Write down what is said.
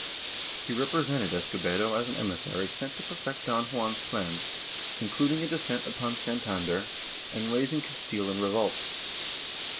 He repre sented Escobedo as an emissary sent to perfect Don Juan's plans, including a descent upon Santander and raising Castile in revolt.